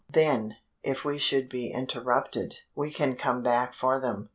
"Then, if we should be interrupted, we can come back for them."